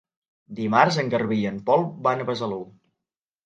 Dimarts en Garbí i en Pol van a Besalú.